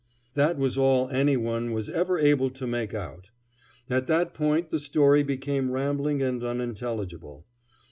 That was all any one was ever able to make out. At that point the story became rambling and unintelligible.